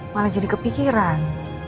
malah jadi kepikiran